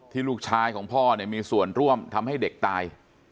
ลูกชายของพ่อเนี่ยมีส่วนร่วมทำให้เด็กตาย